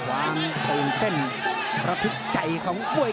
อวางโครงเต้นระภิกใจของก้วย